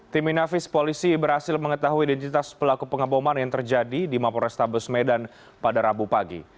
tim inafis polisi berhasil mengetahui identitas pelaku pengaboman yang terjadi di mapo restabes medan pada rabu pagi